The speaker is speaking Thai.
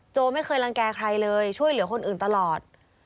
ไม่เคยรังแก่ใครเลยช่วยเหลือคนอื่นตลอด